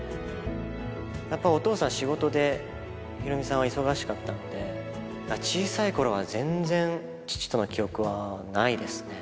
やっぱお父さん、仕事で、ヒロミさんは忙しかったので、小さいころは全然父との記憶はないですね。